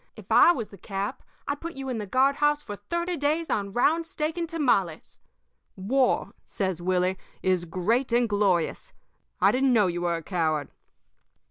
If I was the cap, I'd put you in the guard house for thirty days on round steak and tamales. War,' says Willie, 'is great and glorious. I didn't know you were a coward.'